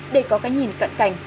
để có cái nhìn cận cảnh